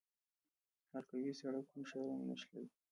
حلقوي سړک کوم ښارونه نښلوي؟